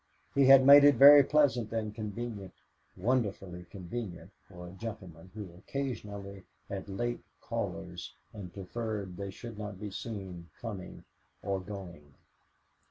He had made it very pleasant and convenient wonderfully convenient for a gentleman who occasionally had late callers and preferred they should not be seen coming or going.